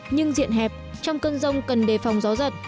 nhưng diện hẹp trong cơn rông cần đề phòng gió giật